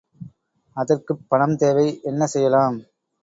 அதற்குப் பணம் தேவை, என்ன செய்யலாம்?